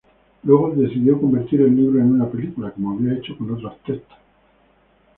Luego decidió convertir el libro en una película como había hecho con otros textos.